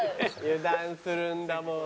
「油断するんだもん」